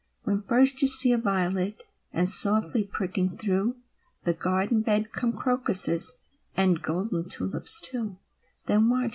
When first you see a violet And softly pricking through The garden bed come crocuses And golden tulips, too, Then watch!